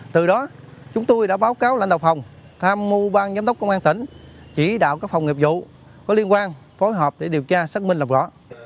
từ đó chúng tôi đã báo cáo lãnh đạo phòng tham mưu bang giám đốc công an tỉnh chỉ đạo các phòng nghiệp vụ có liên quan phối hợp để điều tra xác minh làm rõ